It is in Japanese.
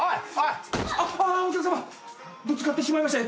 はい。